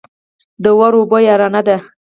د اور او اوبو يارانه ده.